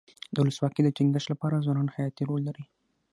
د ولسواکۍ د ټینګښت لپاره ځوانان حیاتي رول لري.